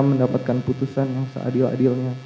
mendapatkan putusan yang seadil adilnya